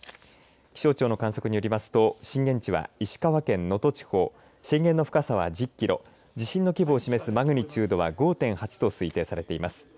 気象庁の観測によりますと震源地は石川県能登地方震源の深さは１０キロ地震の規模を示すマグニチュードは５．８と推定されています。